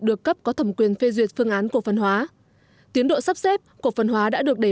được cấp có thẩm quyền phê duyệt phương án cổ phần hóa tiến độ sắp xếp cổ phần hóa đã được đề